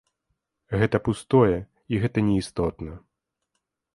Гэта пустое і гэта неістотна.